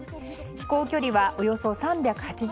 飛行距離はおよそ３８０ｋｍ。